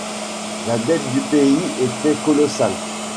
La dette du pays était colossale.